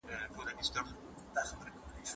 فلسفه پخوا د ټولو علومو مور ګڼل کيده.